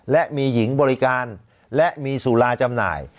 และมีหญิงบริการและมีสุราจำหน่าย